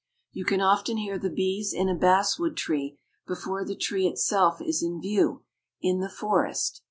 You can often hear the bees in a basswood tree before the tree itself is in view in the forest.